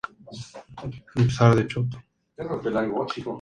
En España, la prensa deportiva le bautizó como ""el Merckx español"".